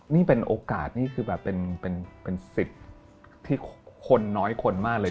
นี่เป็นโอกาสนี่คือแบบเป็นสิทธิ์ที่คนน้อยคนมากเลย